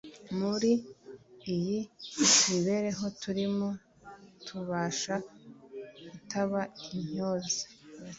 Muri iyi mibereho turimo, tubasha kutaba intyoza